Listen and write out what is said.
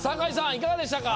いかがでしたか？